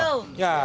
jonggol jona hijau